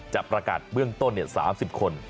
จะประกาศเบื้องต้น๓๐คน